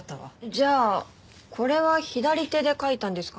じゃあこれは左手で書いたんですかね？